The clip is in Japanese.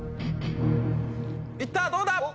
いったどうだ？